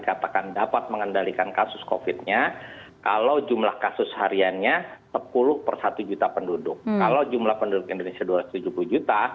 kalau jumlah kasus hariannya sepuluh juta penduduk kalau jumlah penduduk indonesia dua ratus tujuh puluh juta